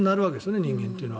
人間というのは。